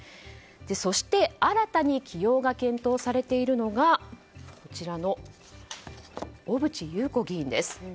そして、新たに起用が検討されているのが小渕優子議員です。